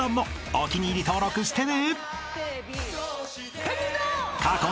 ［お気に入り登録してね］